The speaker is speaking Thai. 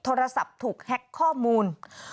โทรศัพท์ถูกแฮ็กข้อมูล